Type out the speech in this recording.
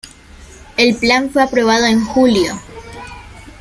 El plan fue aprobado en julio.